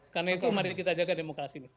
karena itu mari kita jaga demokrasi